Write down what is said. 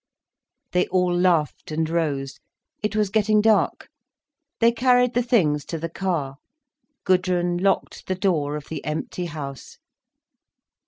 They all laughed, and rose. It was getting dark. They carried the things to the car. Gudrun locked the door of the empty house.